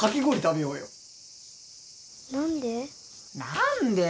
何で？